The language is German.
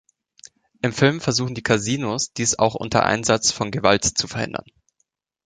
Im Film versuchen die Kasinos dies auch unter Einsatz von Gewalt zu verhindern.